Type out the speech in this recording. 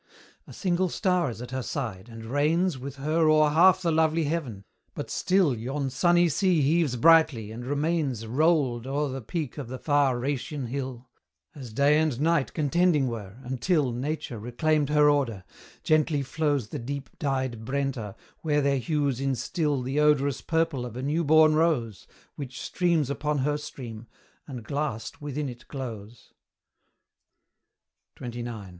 A single star is at her side, and reigns With her o'er half the lovely heaven; but still Yon sunny sea heaves brightly, and remains Rolled o'er the peak of the far Rhaetian hill, As Day and Night contending were, until Nature reclaimed her order: gently flows The deep dyed Brenta, where their hues instil The odorous purple of a new born rose, Which streams upon her stream, and glassed within it glows, XXIX.